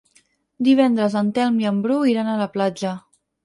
Divendres en Telm i en Bru iran a la platja.